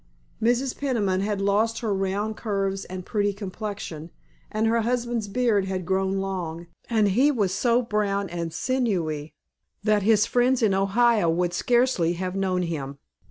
Mrs. Peniman had lost her round curves and pretty complexion, and her husband's beard had grown long, and he was so brown and sinewy that his friends in Ohio would scarcely have known him.